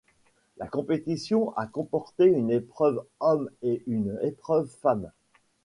La compétition a comporté une épreuve hommes et une épreuve femmes.